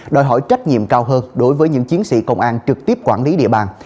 đòi hỏi trách nhiệm cao hơn đối với những chiến sĩ công an trực tiếp quản lý địa bàn